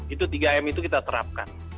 itu tiga m itu kita terapkan